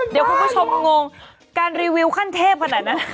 เดี๋ยวคุณผู้ชมงงการรีวิวขั้นเทพขนาดนั้น